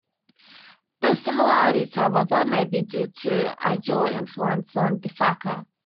The similarities, however, may be due to Ijaw influence on Defaka.